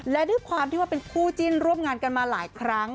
และด้วยความที่ว่าเป็นคู่จิ้นร่วมงานกันมาหลายครั้ง